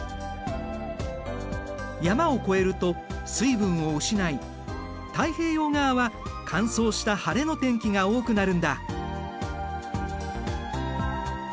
山を越えると水分を失い太平洋側は乾燥した晴れの天気が多くなるんだ。